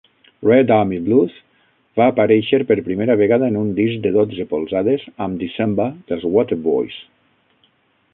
"Red Army Blues" va aparèixer per primera vegada en un disc de dotze polzades amb "December" dels Waterboys.